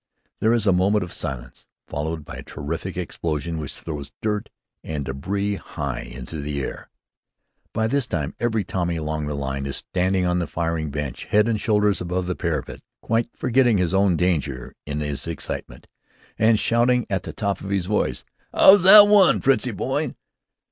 There is a moment of silence, followed by a terrific explosion which throws dirt and débris high in the air. By this time every Tommy along the line is standing on the firing bench, head and shoulders above the parapet, quite forgetting his own danger in his excitement, and shouting at the top of his voice. "'Ow's that one, Fritzie boy?"